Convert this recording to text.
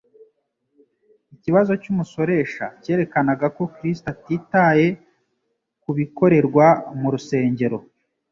Ikibazo cy'umusoresha cyerekanaga ko Kristo atitaye ku bikorerwa mu rusengero;